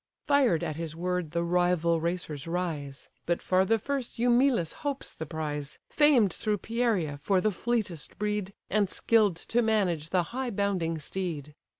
Fired at his word the rival racers rise; But far the first Eumelus hopes the prize, Famed though Pieria for the fleetest breed, And skill'd to manage the high bounding steed.